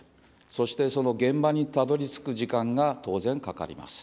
そして、その現場にたどりつく時間が当然かかります。